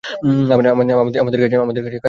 আমাদের কাজে অতিরিক্ত চাপ।